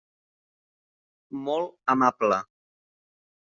Molt amable.